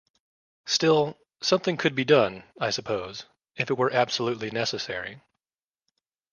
Still, something could be done, I suppose, if it were absolutely necessary.